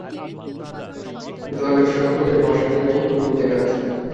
দলের সকলের মশারি নাই, কুমুদের আছে।